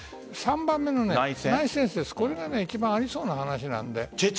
３番目の内戦説これが一番ありそうな話なんです。